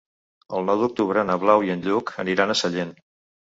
El nou d'octubre na Blau i en Lluc aniran a Sellent.